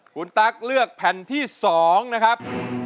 คุณตั๊กเลือกแผ่นที่๒นะครับ